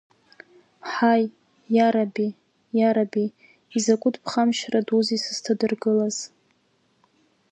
Ҳаи, иараби, иараби, изакәытәԥхашьарадузеисызҭадыргылаз!